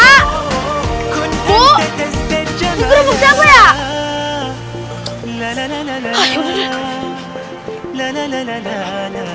ah yaudah yaudah